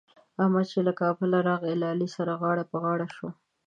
احمد چې له کابله راغی؛ له علي سره غاړه په غاړه شو.